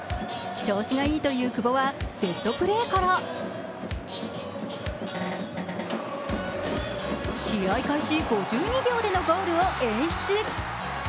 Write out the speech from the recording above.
調子がいいという久保はセットプレーから試合開始５２秒でのゴールを演出。